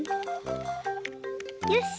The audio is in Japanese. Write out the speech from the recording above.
よし！